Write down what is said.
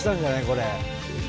これ。